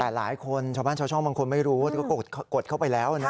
แต่หลายคนชาวบ้านชาวช่องบางคนไม่รู้ก็กดเข้าไปแล้วนะ